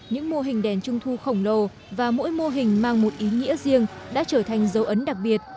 những mô hình đèn trung thu khổng lồ và mỗi mô hình mang một ý nghĩa riêng đã trở thành dấu ấn đặc biệt